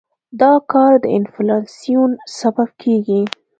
دا کار د انفلاسیون سبب کېږي.